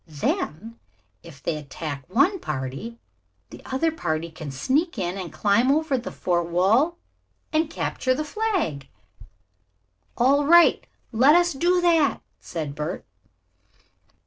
Then, if they attack one party, the other party can sneak in and climb over the fort wall and capture the flag." "All right, let us do that," said Bert.